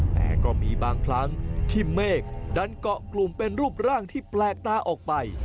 แต่ก็มีบางครั้งที่เมฆดันเกาะกลุ่มเป็นรูปร่างที่แปลกตาออกไป